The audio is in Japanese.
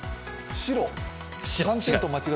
白？